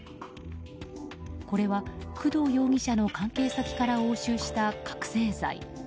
これは、工藤容疑者の関係先から押収した覚醒剤。